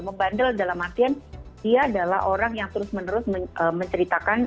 membandel dalam artian dia adalah orang yang terus menerus menceritakan